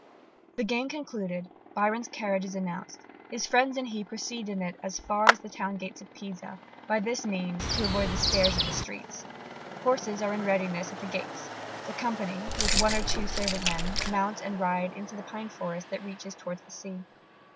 The game concluded, Byron's carriage is announced: his friends and he proceed in it as far as the town gates of Pisa, by this means to avoid the starers of the streets. Horses are in readiness at the gates: the company, with one or two servant men, mount and ride into the pine forest that reaches towards the sea.